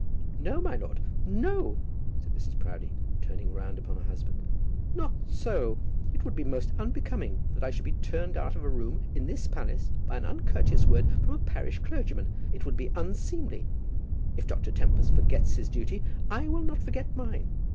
"No, my lord, no," said Mrs. Proudie, turning round upon her husband. "Not so. It would be most unbecoming that I should be turned out of a room in this palace by an uncourteous word from a parish clergyman. It would be unseemly. If Dr. Tempest forgets his duty, I will not forget mine.